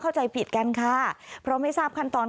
เข้าใจผิดกันค่ะเพราะไม่ทราบขั้นตอน